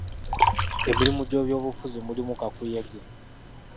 Emirimu gy'ebyobufuzi mulimu kakuyege.